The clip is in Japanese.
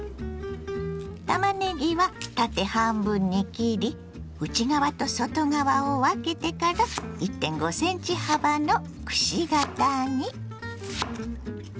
たまねぎは縦半分に切り内側と外側を分けてから１．５ｃｍ幅のくし形に。